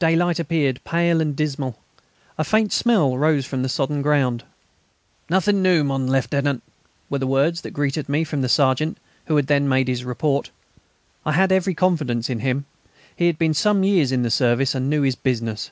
Daylight appeared, pale and dismal. A faint smell rose from the sodden ground. "Nothing new, mon Lieutenant," were the words that greeted me from the sergeant, who then made his report. I had every confidence in him; he had been some years in the service, and knew his business.